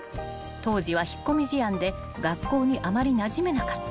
［当時は引っ込み思案で学校にあまりなじめなかった］